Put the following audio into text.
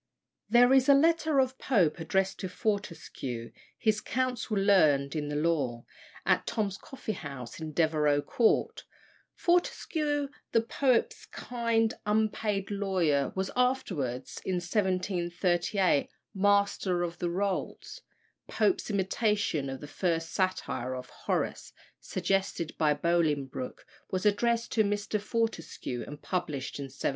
There is a letter of Pope addressed to Fortescue, his "counsel learned in the law," at Tom's coffee house, in Devereux Court. Fortescue, the poet's kind, unpaid lawyer, was afterwards (in 1738) Master of the Rolls. Pope's imitation of the first satire of Horace, suggested by Bolingbroke, was addressed to Mr. Fortescue, and published in 1733.